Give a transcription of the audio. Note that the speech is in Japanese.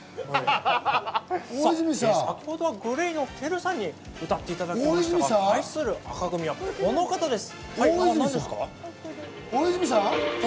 先ほどはＧＬＡＹのＴＥＲＵさんに歌っていただきましたが、対する紅組は、この方です。